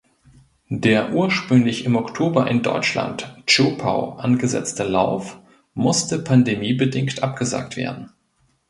Der ursprünglich im Oktober in Deutschland (Zschopau) angesetzte Lauf musste pandemiebedingt abgesagt werden.